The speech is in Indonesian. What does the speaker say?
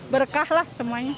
berkah lah semuanya